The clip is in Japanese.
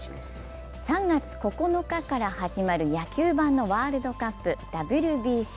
３月９日から始まる野球版のワールドカップ、ＷＢＣ。